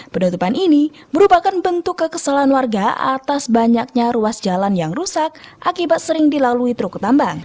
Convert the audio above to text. penutupan ini merupakan bentuk kekesalan warga atas banyaknya ruas jalan yang rusak akibat sering dilalui truk tambang